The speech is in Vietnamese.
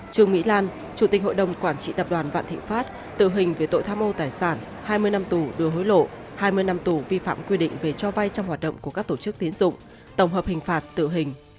trương mỹ lan chủ tịch hội đồng quản trị tập đoàn vạn thịnh pháp tự hình về tội tham ô tài sản hai mươi năm tù đưa hối lộ hai mươi năm tù vi phạm quy định về cho vay trong hoạt động của các tổ chức tiến dụng tổng hợp hình phạt tử hình